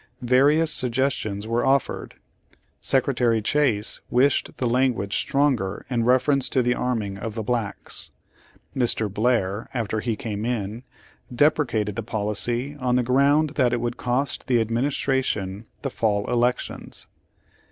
Various suggestions were offered. Secretary Chase wished the language stronger in reference to the arming of the blacks. Mr. Blair, after he came in, deprecated the policy on the gi ound that it would cost the Administration the fall elections.